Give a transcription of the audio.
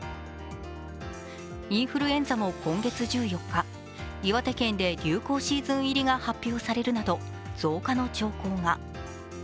インフルエンザも今月１４日、岩手県で流行シーズン入りが発表されるなど増加の兆候が。